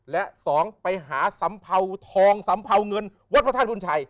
และสองไปหาสัมเภาทองสำเภาเงินวัดพระธาตุบุญชัย